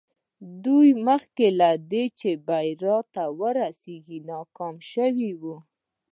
دوی مخکې له دې چې بريا ته ورسېږي ناکام شوي وو.